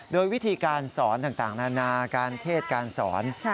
โดยวิธีการสอนต่างนานาการเทศการสอน